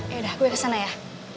yaudah gue kesana ya